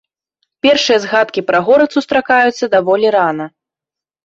Першыя згадкі пра горад сустракаюцца даволі рана.